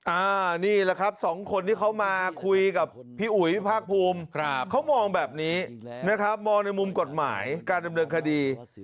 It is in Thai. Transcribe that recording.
อันนี้แหละครับสองคนที่เขามาคุยกับพี่อุ๋ยภาคภูมิเขามองแบบนี้นะครับมองในมุมกฎหมายการดำเนินคดี